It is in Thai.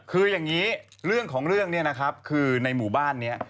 คืออย่างนี้เรื่องของเรื่องเนี่ยนะครับคือในหมู่บ้านนี้